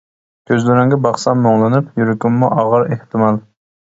كۆزلىرىڭگە باقسام مۇڭلىنىپ، يۈرىكىڭمۇ ئاغار ئېھتىمال.